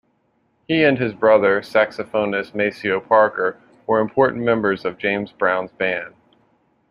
He and his brother, saxophonist Maceo Parker were important members of James Brown's band.